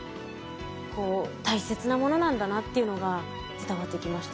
こう大切なものなんだなっていうのが伝わってきました。